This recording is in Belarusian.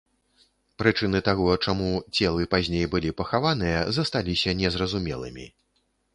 Прычыны таго, чаму целы пазней былі пахаваныя, засталіся незразумелымі.